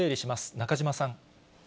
中島さん。